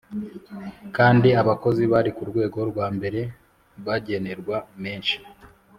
kandi abakozi bari ku rwego rwa mbere bagenerwa menshi